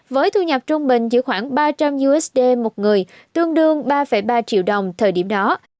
với thu nhập trung bình chỉ khoảng ba trăm linh usd một người tương đương ba ba triệu đồng thời điểm đó